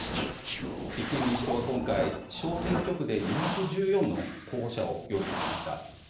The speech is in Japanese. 立憲民主党は今回小選挙区で２１４の候補者を擁立しました。